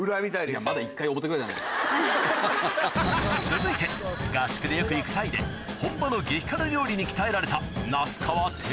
続いて合宿でよく行くタイで本場の激辛料理に鍛えられた那須川天心